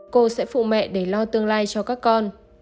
cô sẽ phụ mẹ để lo tương lai cho các con